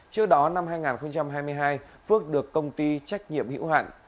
trước đó năm hai nghìn hai mươi hai phước được công ty trách nhiệm hữu hạn